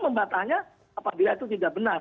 membatanya apabila itu tidak benar